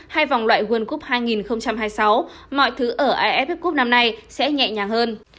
hai vòng loại world cup hai nghìn hai mươi sáu mọi thứ ở iff cup năm nay sẽ nhẹ nhàng hơn